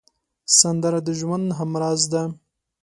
سندره د ژوند همراز ده